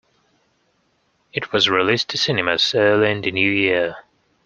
It was released to cinemas early in the New Year.